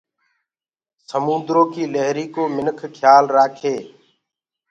سموندرو ڪي لهرينٚ ڪو مِنک کيآل رآکينٚ۔